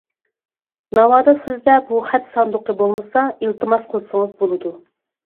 ناۋادا سىزدە بۇ خەت ساندۇقى بولمىسا ئىلتىماس قىلسىڭىز بولىدۇ.